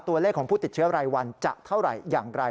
ตัวเลขของผู้ติดเชื้อรายวันจะเท่าไหร่อย่างไร